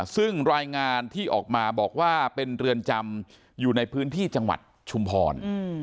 ซึ่งรายงานที่ออกมาบอกว่าเป็นเรือนจำอยู่ในพื้นที่จังหวัดชุมพร